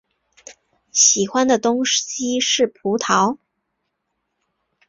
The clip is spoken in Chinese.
喜欢的东西是葡萄。